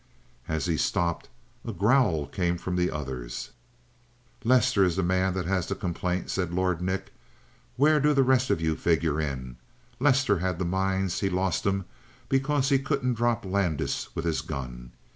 As he stopped, a growl came from the others. "Lester is the man that has the complaint," said Lord Nick. "Where do the rest of you figure in it? Lester had the mines; he lost 'em because he couldn't drop Landis with his gun.